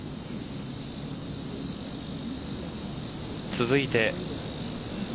続いて。